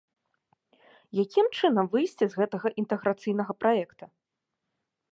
Якім чынам выйсці з гэтага інтэграцыйнага праекта?